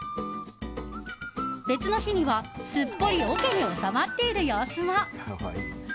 別の日にはすっぽり桶に収まっている様子も。